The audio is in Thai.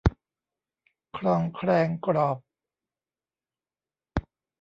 ครองแครงกรอบ